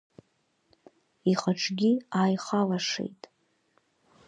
Ихаҿгьы ааихалашеит.